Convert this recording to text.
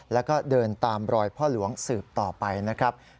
แล้วก็เดินตามรอยพ่อหลวงสืบต่อไปนะครับ